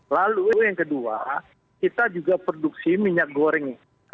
lalu yang kedua kita juga produksi minyak goreng